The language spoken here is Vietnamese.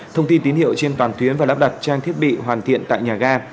thông tin tín hiệu trên toàn tuyến và lắp đặt trang thiết bị hoàn thiện tại nhà ga